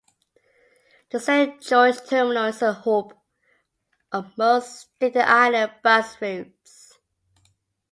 The Saint George Terminal is the hub of most Staten Island bus routes.